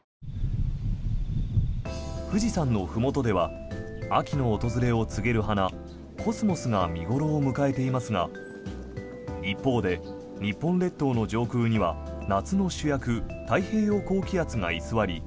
富士山のふもとでは秋の訪れを告げる花コスモスが見頃を迎えていますが一方で日本列島の上空には夏の主役、太平洋高気圧が居座り